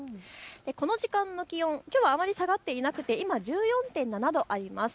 この時間の気温、きょうはあまり下がっていなくて今１４．７度あります。